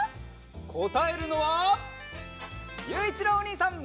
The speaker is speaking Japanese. こたえるのはゆういちろうおにいさん！